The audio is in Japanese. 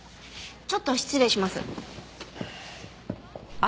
ちょっと失礼します。